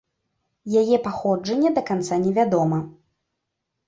Яе паходжанне да канца не вядома.